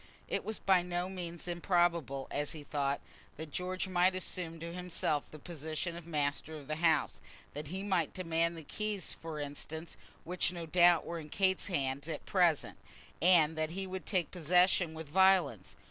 It was by no means improbable, as he thought, that George might assume to himself the position of master of the house; that he might demand the keys, for instance, which no doubt were in Kate's hands at present, and that he would take possession with violence.